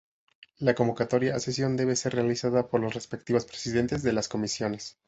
La convocatoria a sesión debe ser realizada por los respectivos presidentes de las Comisiones.